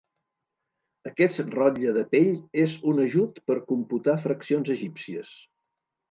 Aquest rotlle de pell és un ajut per computar fraccions egípcies.